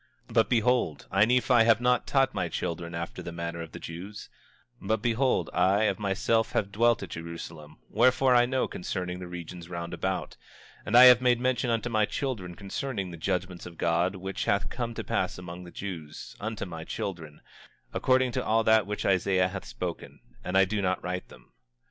25:6 But behold, I, Nephi, have not taught my children after the manner of the Jews; but behold, I, of myself, have dwelt at Jerusalem, wherefore I know concerning the regions round about; and I have made mention unto my children concerning the judgments of God, which hath come to pass among the Jews, unto my children, according to all that which Isaiah hath spoken, and I do not write them.